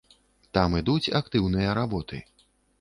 Там ідуць актыўныя работы.